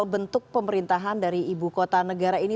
bentuk pemerintahan dari ibu kota negara ini